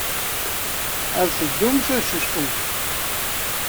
Ad teddumt ad teccucfemt.